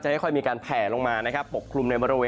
จะได้ค่อยมีการแผลลงมาปรบคลุมในบริเวณ